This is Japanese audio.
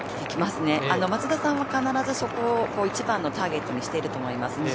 松田さんは必ずそこを一番のターゲットにしていると思います。